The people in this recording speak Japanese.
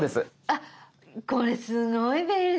あっこれすごい便利。